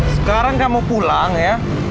sekarang kamu pulang ya